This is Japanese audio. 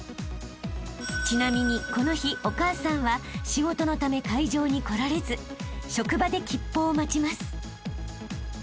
［ちなみにこの日お母さんは仕事のため会場に来られず職場で吉報を待ちます］